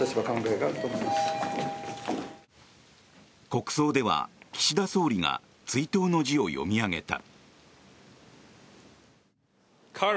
国葬では岸田総理が追悼の辞を読み上げた。